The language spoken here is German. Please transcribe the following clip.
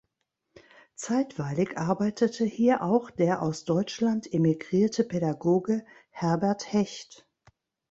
Zeitweilig arbeitete hier auch der aus Deutschland emigrierte Pädagoge Herbert Hecht.